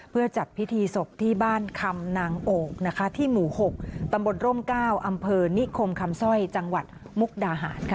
เพื่อจัดพิธีศพที่บ้านคำนางโอกที่หมู่๖ตำบลร่ม๙อำเภอนิคมคำสร้อยจังหวัดมุกดาหารค่ะ